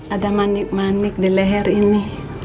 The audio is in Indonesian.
ada manik manik di leher ini